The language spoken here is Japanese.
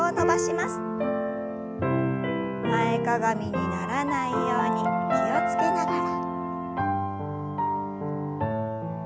前かがみにならないように気を付けながら。